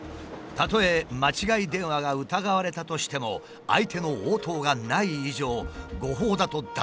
たとえ間違い電話が疑われたとしても相手の応答がない以上誤報だと断定するのは難しい。